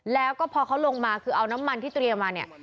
แล้วก็พอเขาลงมาคือเอาน้ำมันที่เตรียมมาเนี่ย